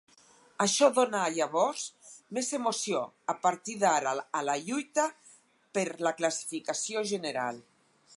Això donà llavors més emoció a partir d'ara a la lluita per la classificació general.